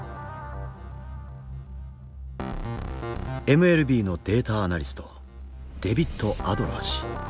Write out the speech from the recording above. ＭＬＢのデータアナリストデビッド・アドラー氏。